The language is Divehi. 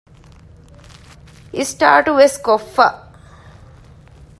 އިސްޓާޓުވެސް ކޮށްފަ